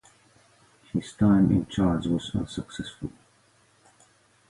His time in charge was unsuccessful.